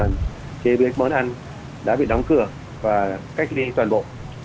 nhà ăn đã bị đóng cửa và cách ly toàn bộ